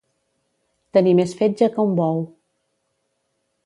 Tenir més fetge que un bou.